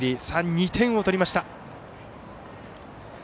さあ、２点を取りました。